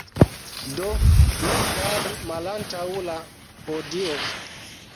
Do, ne staru malantaŭ la podio.